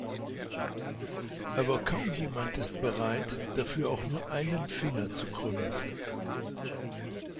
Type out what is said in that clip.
Aber kaum jemand ist bereit, dafür auch nur einen Finger zu krümmen.